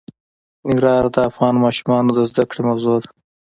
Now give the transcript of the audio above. ننګرهار د افغان ماشومانو د زده کړې موضوع ده.